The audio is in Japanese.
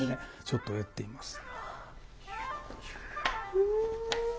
ちょっとやってみます。